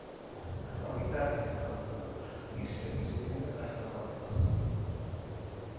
Habita en Estados Unidos y se extiende hasta Guatemala.